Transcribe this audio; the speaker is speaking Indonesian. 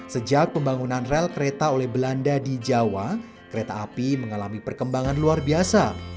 sejak pembangunan rel kereta oleh belanda di jawa kereta api mengalami perkembangan luar biasa